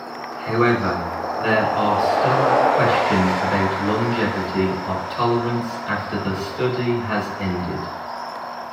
However, there are still questions about longevity of tolerance after the study has ended.